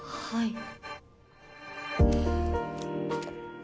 はい。